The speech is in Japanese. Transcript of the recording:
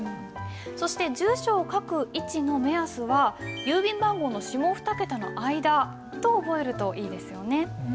そして住所を書く位置の目安は郵便番号の下２桁の間と覚えるといいですよね。